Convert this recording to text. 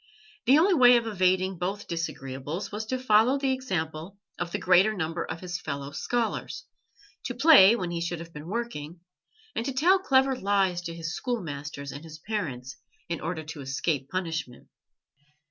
The only way of evading both disagreeables was to follow the example of the greater number of his fellow scholars to play when he should have been working, and to tell clever lies to his schoolmasters and his parents in order to escape punishment.